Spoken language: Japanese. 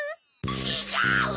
ちがう！